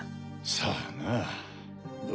さあなど